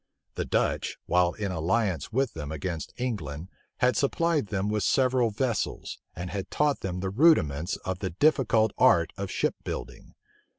The Dutch, while in alliance with them against England, had supplied them with several vessels, and had taught them the rudiments of the difficult art of ship building.